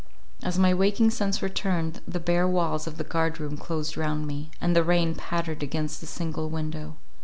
As my waking sense returned, the bare walls of the guard room closed round me, and the rain pattered against the single window.